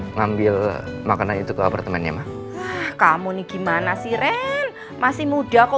ngambil makanan itu ke apartemennya kamu nih gimana sih ren masih muda kok